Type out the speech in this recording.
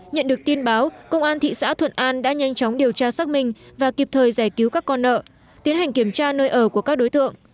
nhận được tin báo công an thị xã thuận an đã nhanh chóng điều tra xác minh và kịp thời giải cứu các con nợ tiến hành kiểm tra nơi ở của các đối tượng